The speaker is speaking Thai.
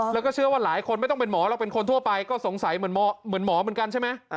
แล้วก็เชื่อว่าหลายคนไม่ต้องเป็นหมอหรอกเป็นคนทั่วไปก็สงสัยเหมือนหมอเหมือนกันใช่ไหม